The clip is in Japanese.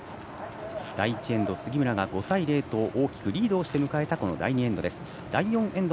第１エンド杉村が５対０と大きくリードして迎えた第２エンド。